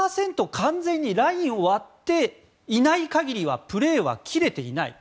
完全にラインを割っていない限りはプレーは切れていない。